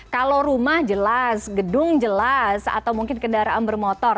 kalau rumah jelas gedung jelas atau mungkin kendaraan bermotor